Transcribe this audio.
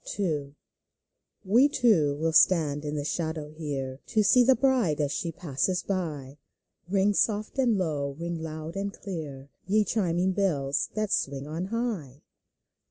TWO • We two will stand in the shadow here, , To see the bride as she passes by ; Ring soft and low, ring loud and clear, Ye chiming bells that swing on high